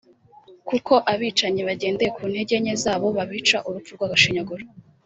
kuko abicanyi bagendeye ku ntege nke zabo babica urupfu rw’agashinyaguro